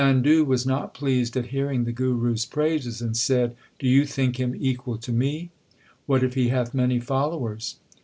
Chandu was not pleased at hearing the Guru s praises, and said, Do you think him equal to me ? What if he hath many followers